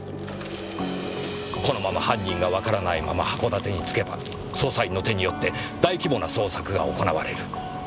このまま犯人がわからないまま函館に着けば捜査員の手によって大規模な捜索が行われる。